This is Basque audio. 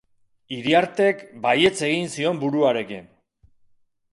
Iriartek baietz egin zion buruarekin.